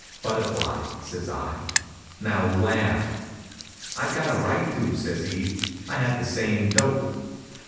"Butterfly," says I. "Now laugh!" "I've got a right to," says he. "I had the same dope."